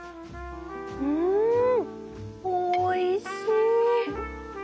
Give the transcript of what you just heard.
んおいしい！